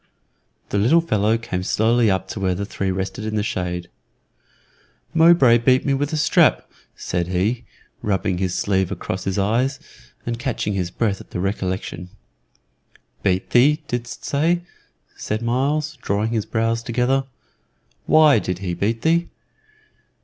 The little fellow came slowly up to where the three rested in the shade. "Mowbray beat me with a strap," said he, rubbing his sleeve across his eyes, and catching his breath at the recollection. "Beat thee, didst say?" said Myles, drawing his brows together. "Why did he beat thee?"